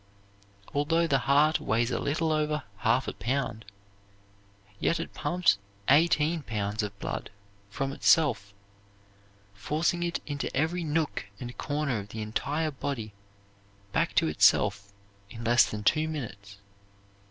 Although the heart weighs a little over half a pound, yet it pumps eighteen pounds of blood from itself, forcing it into every nook and corner of the entire body, back to itself in less than two minutes.